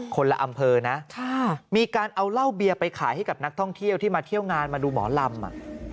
คนละอำเภอนะมีการเอาเหล้าเบียร์ไปขายให้กับนักท่องเที่ยวที่มาเที่ยวงานมาดูหมอลำ